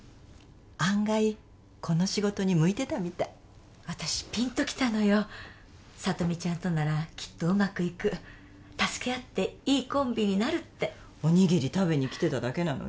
案外この仕事に向いてたみたい私ピンときたのよ聡美ちゃんとならきっとうまくいく助け合っていいコンビになるっておにぎり食べに来てただけなのに？